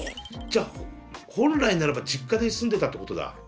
じゃ本来ならば実家で住んでたってことだ。